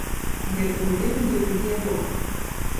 Гэта быў вельмі добры дыялог.